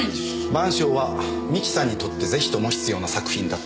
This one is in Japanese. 『晩鐘』は三木さんにとってぜひとも必要な作品だった。